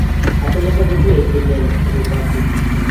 হাতের লেখা দেখেই চিনলেন রূপার চিঠি।